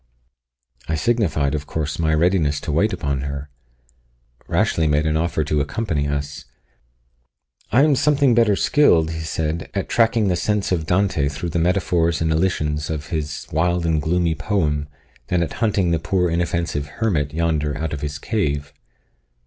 I signified, of course, my readiness to wait upon her. Rashleigh made an offer to accompany us. "I am something better skilled," he said, "at tracking the sense of Dante through the metaphors and elisions of his wild and gloomy poem, than at hunting the poor inoffensive hermit yonder out of his cave."